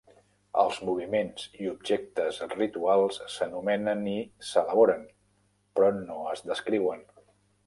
Els moviments i objectes rituals s'anomenen i s'elaboren, però no es descriuen.